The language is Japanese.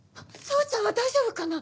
総ちゃんは大丈夫かな？